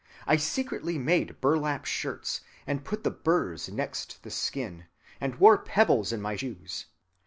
I secretly made burlap shirts, and put the burrs next the skin, and wore pebbles in my shoes.